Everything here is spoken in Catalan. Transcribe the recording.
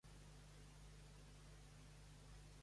Actualment hi ha tropes a l'Haia, Schinnen i Amsterdam.